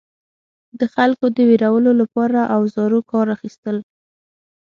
د خلکو د ویرولو لپاره اوزارو کار اخیستل.